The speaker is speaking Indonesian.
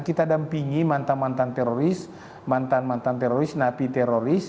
kita dampingi mantan mantan teroris mantan mantan teroris napi teroris